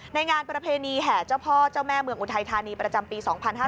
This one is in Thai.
งานประเพณีแห่เจ้าพ่อเจ้าแม่เมืองอุทัยธานีประจำปี๒๕๕๙